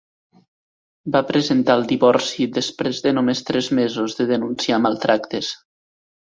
Va presentar el divorci després de només tres mesos de denunciar maltractes.